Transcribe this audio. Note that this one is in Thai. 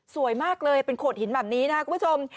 สวยมากเลยเป็นโขดหินแบบนี้นะครับคุณผู้ชม